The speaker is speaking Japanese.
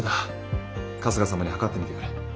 春日様にはかってみてくれ。